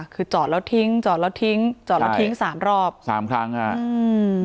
คือจอดแล้วทิ้งจอดแล้วทิ้งจอดแล้วทิ้งสามรอบสามครั้งฮะอืม